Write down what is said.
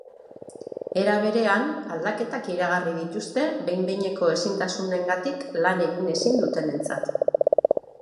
Era berean, aldaketak iragarri dituzte behin behineko ezintasunengatik lan egin ezin dutenentzat.